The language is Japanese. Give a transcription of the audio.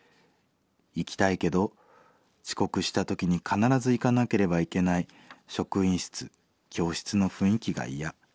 行きたいけど遅刻した時に必ず行かなければいけない職員室教室の雰囲気が嫌。